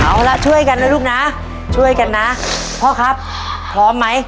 เอาละช่วยกันนะลูกนะช่วยกันนะพ่อครับพร้อมไหม